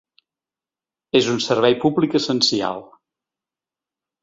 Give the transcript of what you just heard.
És un servei públic essencial.